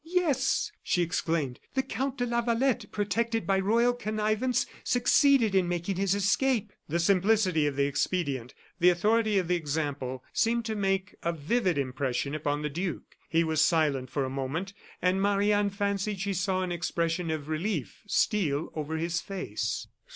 "Yes," she exclaimed, "the Count de Lavalette, protected by royal connivance, succeeded in making his escape." The simplicity of the expedient the authority of the example seemed to make a vivid impression upon the duke. He was silent for a moment, and Marie Anne fancied she saw an expression of relief steal over his face.